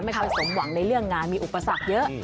สมหวังในเรื่องงานมีอุปสรรคเยอะ